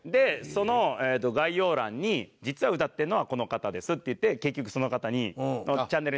その概要欄に実は歌ってるのはこの方ですっていって結局その方のチャンネルに案内して。